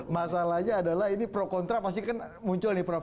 masalahnya adalah ini pro kontra pasti kan muncul nih prof